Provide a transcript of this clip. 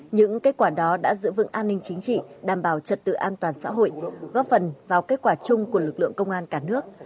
những kết quả đó đã giữ vững an ninh chính trị đảm bảo trật tự an toàn xã hội góp phần vào kết quả chung của lực lượng công an cả nước